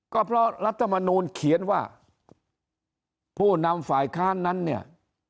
ก็เพราะรัฐมนูลเขียนว่าผู้นำฝ่ายค้านนั้นเนี่ย